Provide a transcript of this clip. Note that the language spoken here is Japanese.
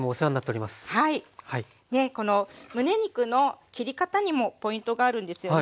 このむね肉の切り方にもポイントがあるんですよね。